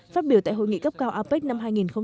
phát biểu tại hội nghị cấp cao apec năm hai nghìn hai mươi